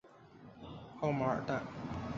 奥马尔坦。